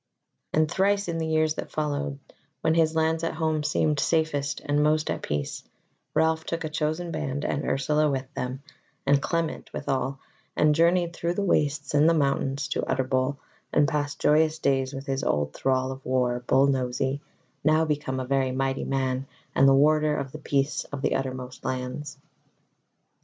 And thrice in the years that followed, when his lands at home seemed safest and most at peace, Ralph took a chosen band, and Ursula with them, and Clement withal, and journeyed through the wastes and the mountains to Utterbol, and passed joyous days with his old thrall of war, Bull Nosy, now become a very mighty man and the warder of the peace of the Uttermost lands.